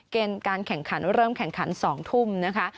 การแข่งขันเริ่มแข่งขัน๒ทุ่มนะคะ